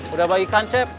udah baik kan cep